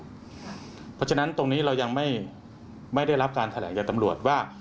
เพราะฉะนั้นตรงนี้เรายังไม่ได้รับการแถลงจากตำรวจว่า